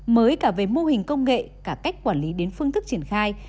mới cả về mô hình công nghệ cả cách quản lý đến phương thức triển khai